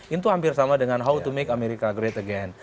itu hampir sama dengan how to make america great again